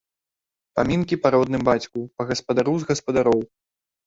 Памінкі па родным бацьку, па гаспадару з гаспадароў!